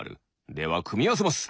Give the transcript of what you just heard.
ではくみあわせます。